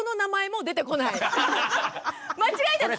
間違えちゃって。